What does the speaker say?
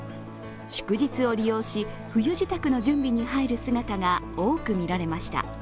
祝日を利用し冬支度の準備に入る姿が多く見られました。